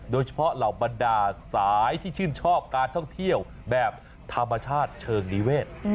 เหล่าบรรดาสายที่ชื่นชอบการท่องเที่ยวแบบธรรมชาติเชิงนิเวศ